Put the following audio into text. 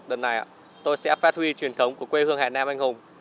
đợt này tôi sẽ phát huy truyền thống của quê hương hải nam anh hùng